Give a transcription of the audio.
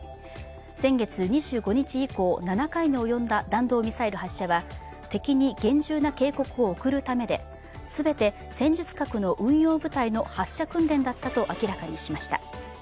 先月２５日以降、７回に及んだ弾道ミサイル発射は敵に厳重な警告を送るためで、全て戦術核の運用部隊の発射訓練だったと明らかにしました。